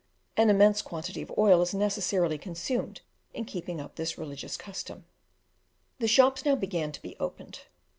An immense quantity of oil is unnecessarily consumed in keeping up this religious custom. The shops now began to be opened.